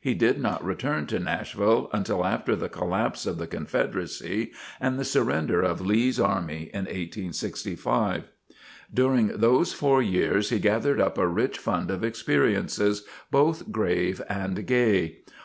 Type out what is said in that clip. He did not return to Nashville until after the collapse of the Confederacy and the surrender of Lee's army in 1865. During those four years he gathered up a rich fund of experiences, both grave and gay.